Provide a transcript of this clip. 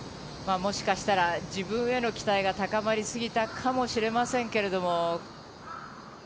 もしかしたら、自分への期待が高まりすぎたかもしれませんけれども。